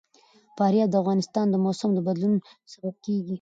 فاریاب د افغانستان د موسم د بدلون سبب کېږي.